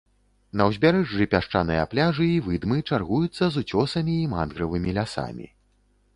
На ўзбярэжжы пясчаныя пляжы і выдмы чаргуюцца з уцёсамі і мангравымі лясамі.